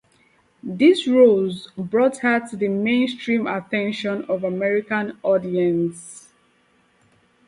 These roles brought her to the mainstream attention of American audiences.